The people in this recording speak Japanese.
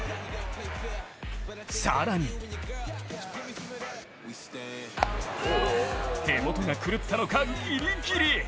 更に手元が狂ったのかギリギリ！